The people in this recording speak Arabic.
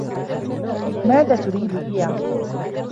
ماذا تريد هى ؟